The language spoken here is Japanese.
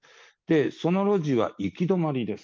その路地は行き止まりです。